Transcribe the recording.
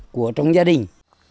của trong gia đình